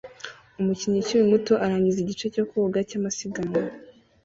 Umukinnyi ukiri muto arangiza igice cyo koga cyamasiganwa